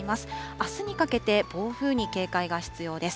あすにかけて暴風に警戒が必要です。